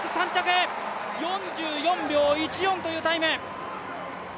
４４秒１４というタイム。